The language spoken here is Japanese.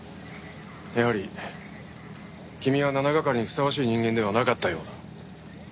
やはり君は７係にふさわしい人間ではなかったようだ。